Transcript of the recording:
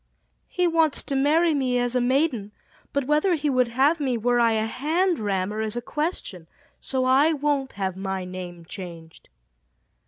"He wants to marry me as a maiden, but whether he would have me were I a hand rammer is a question, so I won't have my name changed."